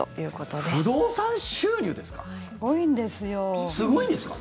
すごいんですか？